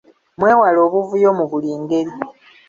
Mwewale obuvuyo mu buli ngeri.